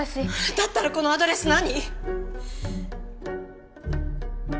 だったらこのアドレス何？